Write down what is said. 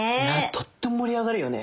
とっても盛り上がるよね。